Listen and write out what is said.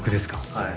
はい。